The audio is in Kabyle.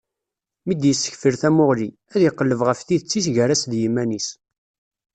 Mi d-yessekfel tamuɣli, ad iqelleb ɣef tidet-is gar-as d yiman-is.